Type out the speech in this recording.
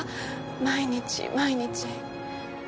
毎日毎日。